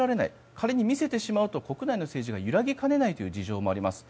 仮に見せてしまうと国内の政治が揺らぎかねないという事情もあります。